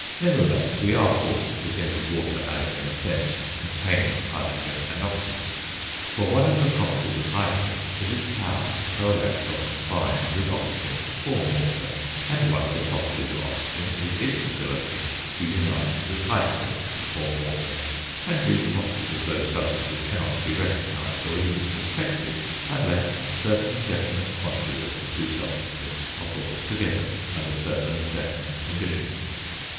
Nevertheless we are forced to think of water as, in a sense, containing hydrogen and oxygen. For, one of the properties of hydrogen is its power to coalesce, or combine, with oxygen to form water, and one of the properties of oxygen is its ability to unite with hydrogen to form water; and these properties of those substances cannot be recognised, or even suspected, unless certain definite quantities of the two substances are brought together under certain definite conditions.